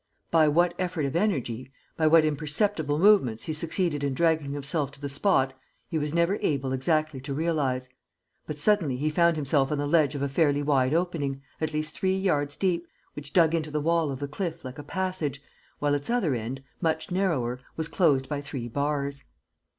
By what effort of energy, by what imperceptible movements he succeeded in dragging himself to the spot he was never able exactly to realize. But suddenly he found himself on the ledge of a fairly wide opening, at least three yards deep, which dug into the wall of the cliff like a passage, while its other end, much narrower, was closed by three bars.